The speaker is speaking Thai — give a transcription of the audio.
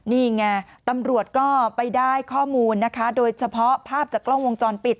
นี่ไงตำรวจก็ไปได้ข้อมูลนะคะโดยเฉพาะภาพจากกล้องวงจรปิด